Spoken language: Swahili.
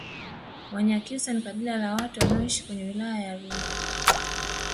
Wanyakyusa ni kabila la watu wanaoishi kwenye wilaya ya Rungwe